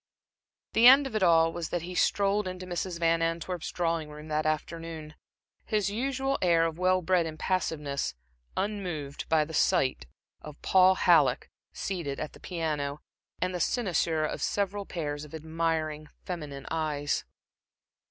... The end of it all was that he strolled into Mrs. Van Antwerp's drawing room that afternoon, his usual air of well bred impassiveness unmoved by the sight of Paul Halleck seated at the piano, and the cynosure of several pairs of admiring feminine eyes.